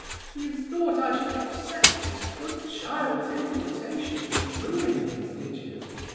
"You thought I should accept this good child's invitation to ruin him, did you?"